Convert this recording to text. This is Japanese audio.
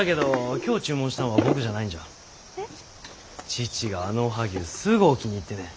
父があのおはぎゅうすごお気に入ってね。